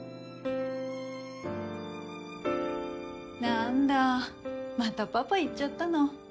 何だまたパパ行っちゃったの。